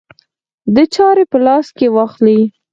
د چارې په لاس کې واخلي.